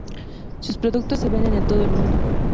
Sus productos se venden en todo el mundo.